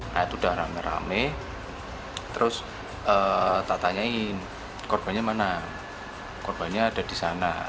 nah itu udah rame rame terus tak tanyain korbannya mana korbannya ada di sana